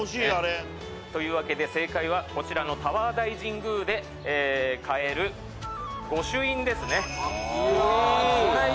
というわけで正解はタワー大神宮で買えるご朱印ですね。